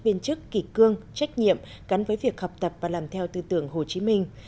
viên chức kỳ cương trách nhiệm gắn với việc học tập và làm theo tư tưởng hồ chí minh